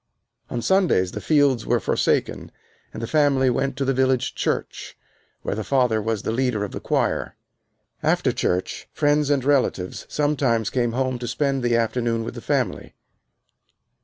On Sundays the fields were forsaken and the family went to the village church where the father was the leader of the choir. After church friends and relatives sometimes came home to spend the afternoon with the family.